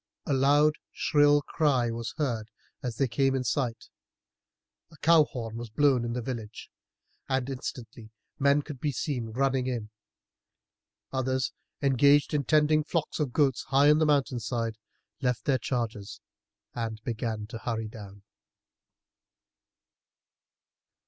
A loud shrill cry was heard as they came in sight, a cow horn was blown in the village, and instantly men could be seen running in. Others, engaged in tending flocks of goats high up on the mountain side, left their charges and began to hurry down.